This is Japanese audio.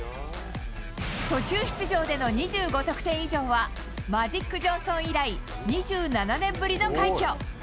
途中出場での２５得点以上は、マジック・ジョンソン以来、２７年ぶりの快挙。